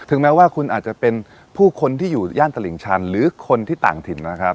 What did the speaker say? แม้ว่าคุณอาจจะเป็นผู้คนที่อยู่ย่านตลิ่งชันหรือคนที่ต่างถิ่นนะครับ